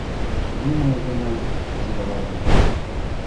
Юмо гына серлаге.